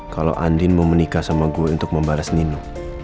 kalau andin mau menikah sama gue untuk membalas ninu